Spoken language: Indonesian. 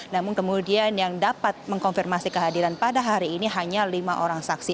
namun kemudian yang dapat mengkonfirmasi kehadiran pada hari ini hanya lima orang saksi